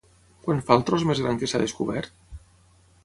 Quant fa el tros més gran que s'ha descobert?